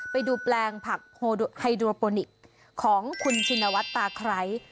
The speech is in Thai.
ไปดูแปลงผักไฮโดรโปนิกของคุณชินวัฒน์ตาไคร้